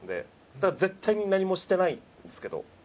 だから絶対に何もしてないんですけど俺は。